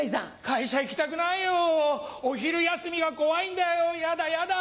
会社行きたくないよお昼休みが怖いんだよやだやだ。